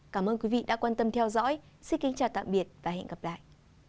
cảm ơn quý vị đã quan tâm theo dõi xin kính chào tạm biệt và hẹn gặp lại